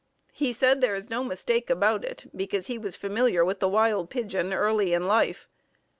He said there is no mistake about it, because he was familiar with the wild pigeon early in life.